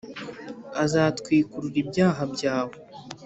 ,Azatwikurura ibyaha byawe.